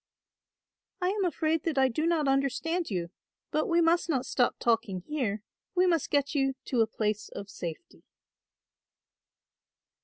"I am afraid that I do not understand you; but we must not stop talking here, we must get you to a place of safety."